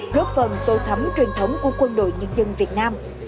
góp phần tô thắm truyền thống của quân đội nhân dân việt nam